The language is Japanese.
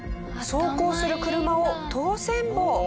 走行する車を通せんぼ。